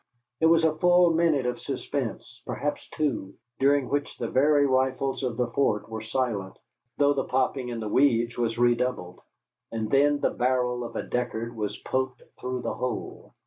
There was a full minute of suspense perhaps two during which the very rifles of the fort were silent (though the popping in the weeds was redoubled), and then the barrel of a Deckard was poked through the hole.